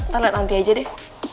ntar liat nanti aja deh